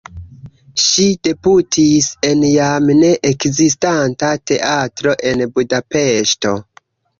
Ŝi debutis en jam ne ekzistanta teatro en Budapeŝto.